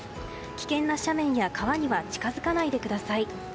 危険な斜面や川には近づかないでください。